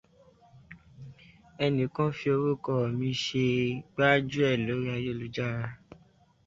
Ẹnìkan fi orúkọ mi ṣe gbájúẹ̀ lórí ayélujára.